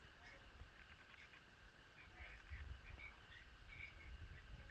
Engai Narok au mungu mweusi yeye ni mwema